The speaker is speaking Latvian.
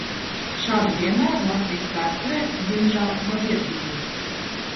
Šādi piemēri Latvijas vēsturē diemžēl jau ir bijuši.